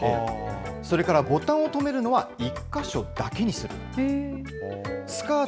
それからボタンを留めるのは１か所だけにする。